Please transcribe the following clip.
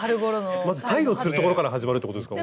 まず鯛を釣るところから始まるってことですか？